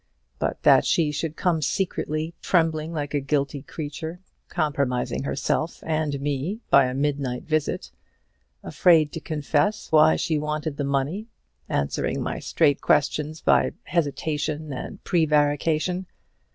But that she should come secretly, trembling like a guilty creature, compromising herself and me by a midnight visit, afraid to confess why she wanted the money, answering my straight questions by hesitation and prevarication!